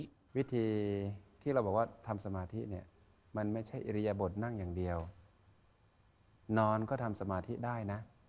อเจมส์วิธีที่เราบอกว่าทำสมาธิมันไม่ใช่เรียบรตนั่งอย่างเดียวนอนก็ทำสมาธิได้นะ